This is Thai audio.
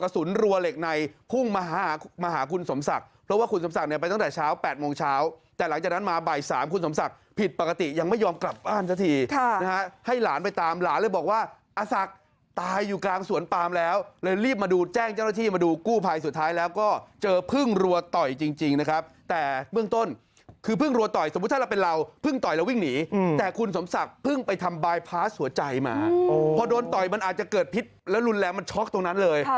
พอโดนต่อยมันอาจจะเกิดพิษแล้วรุนแรงมันช็อคตรงนั้นเลย